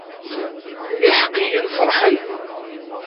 Iḥeqqiyen ferrḥen.